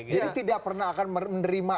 jadi tidak akan pernah menerima